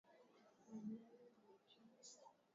Incidence is containment.